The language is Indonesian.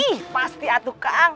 ih pasti atu kang